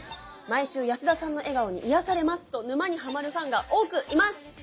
毎週安田さんの笑顔に癒やされますと沼にハマるファンが多くいます。